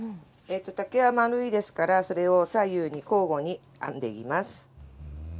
竹は丸いですから、それを左右に交互に編んでいます。